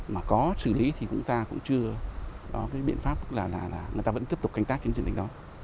mà có xử lý thì chúng ta cũng chưa biện pháp là người ta vẫn tiếp tục canh tác trên diện tích đó